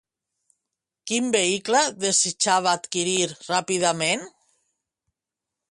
Quin vehicle desitjava adquirir ràpidament?